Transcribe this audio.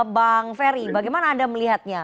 bang ferry bagaimana anda melihatnya